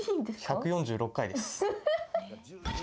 １４６回です。